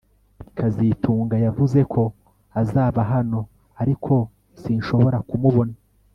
kazitunga yavuze ko azaba hano ariko sinshobora kumubona